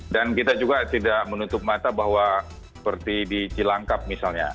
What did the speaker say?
kita juga tidak menutup mata bahwa seperti di cilangkap misalnya